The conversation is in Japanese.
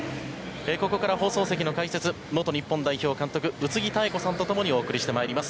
ここから、放送席の解説は元日本代表監督宇津木妙子さんと共にお伝えしてまいります。